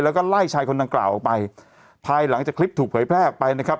แล้วก็ไล่ชายคนดังกล่าวออกไปภายหลังจากคลิปถูกเผยแพร่ออกไปนะครับ